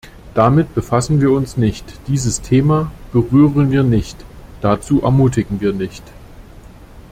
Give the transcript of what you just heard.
Damit befassen wir uns nicht, dieses Thema berühren wir nicht, dazu ermutigen wir nicht.